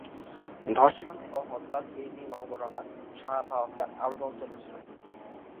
ধর্ষণ ও হত্যার এই নির্মম ঘটনা সারা ভারতে আলোড়ন তুলেছিল।